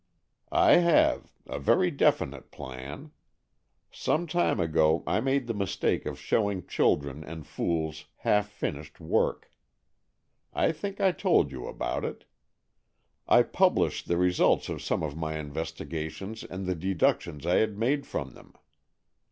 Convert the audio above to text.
"" I have — a very definite plan. Some time ago I made the mistake of showing children and fools half finished work. I think I told you about it. I published the results of some of my investigations and the deductions I had made from them.